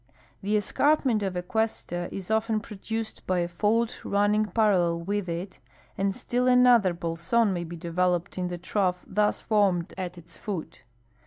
The escarpment of a cuesta is often produced by a fault running parallel with it, and still another bolson may be developed in the trough thus formed at its foot.